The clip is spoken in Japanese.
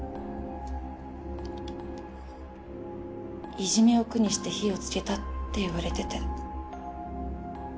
いじめを苦にして火をつけたって言われてて。